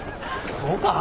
そうか？